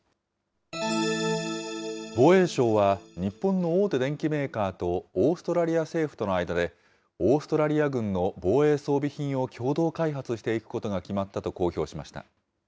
防衛省は日本の大手電機メーカーとオーストラリア政府との間で、オーストラリア軍の防衛装備品を共同開発していくことが決まったと公表しました。